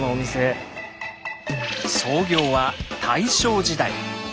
創業は大正時代。